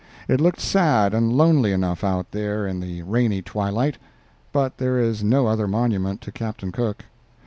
It looked sad and lonely enough out there in the rainy twilight. But there is no other monument to Captain Cook.